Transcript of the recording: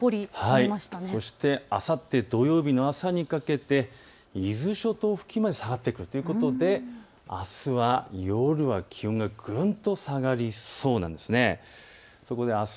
そしてあさって土曜日の朝にかけて伊豆諸島付近まで下がってくるということであすは夜は気温がぐんと下がりそうなんです。